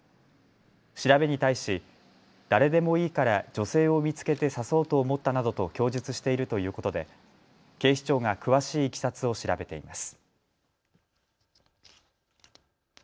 調べに対し誰でもいいから女性を見つけて刺そうと思ったなどと供述しているということで警視庁が詳しいいきさつを調べています。